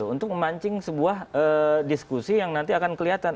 untuk memancing sebuah diskusi yang nanti akan kelihatan